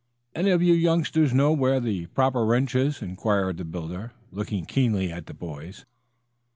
"Any of you youngsters know where the proper wrench is?" inquired the builder, looking keenly at the boys.